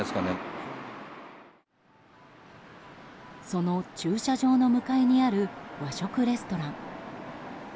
その駐車場の向かいにある和食レストラン。